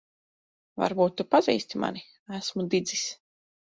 Varbūt tu pazīsti mani. Esmu Didzis.